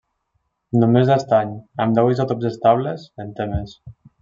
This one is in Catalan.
Només l'estany, amb deu isòtops estables, en té més.